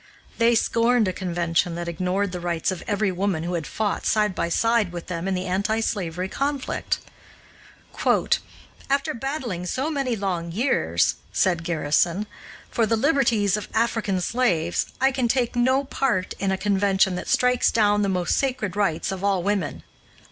They scorned a convention that ignored the rights of the very women who had fought, side by side, with them in the anti slavery conflict. "After battling so many long years," said Garrison, "for the liberties of African slaves, I can take no part in a convention that strikes down the most sacred rights of all women."